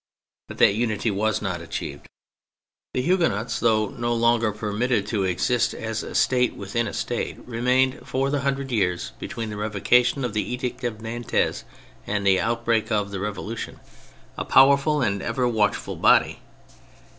But that unity was not achieved. The THE CATHOLIC CHURCH 23E Huguenots, though no longer permitted t® exist as a State within a State, remained, for the hundred years between the Revocation of the Edict of Nantes and the outbreak of the Revolution, a powerful and ever watch ful body.